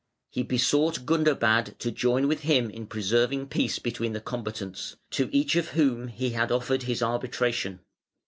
He besought Gundobad to join with him in preserving peace between the combatants, to each of whom he had offered his arbitration.